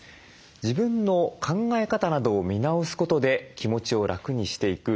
自分の考え方などを見直すことで気持ちを楽にしていく認知行動療法です。